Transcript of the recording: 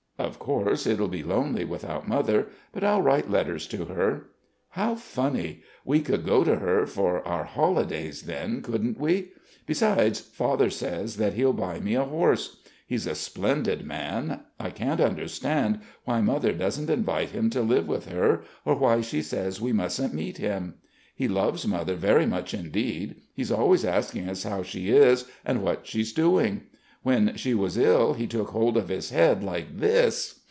Of course, it'll be lonely without Mother; but I'll write letters to her. How funny: we could go to her for our holidays then couldn't we? Besides, Father says that he'll buy me a horse. He's a splendid man. I can't understand why Mother doesn't invite him to live with her or why she says we mustn't meet him. He loves Mother very much indeed. He's always asking us how she is and what she's doing. When she was ill, he took hold of his head like this